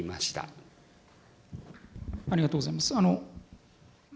ありがとうございます。